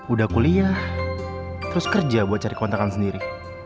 udah kuliah terus kerja buat cari kontrakan sendiri